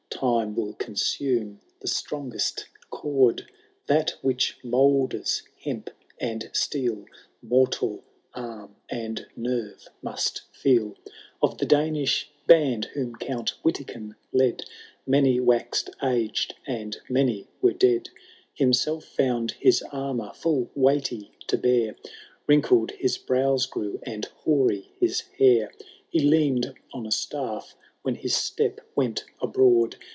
Time will consume the strongest cord ; That which moulders hemp and steel, Mortal arm and nerve must feel. Canto L harold the dauntlxss. 121 Of the Danish band, whom Count Witiken led, Many wax'd aged, and manj were dead : Himself found his annour foU weighty to bear. Wrinkled his brows grew, and hoary his hair ; He leaned on a staff, when his step went abroad.